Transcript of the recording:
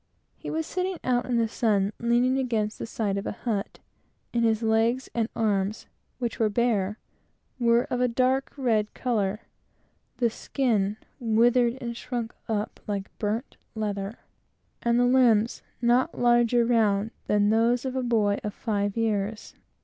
He was sitting out in the sun, leaning against the side of a hut; and his legs and arms, which were bare, were of a dark red color, the skin withered and shrunk up like burnt leather, and the limbs not larger round than those of a boy of five years.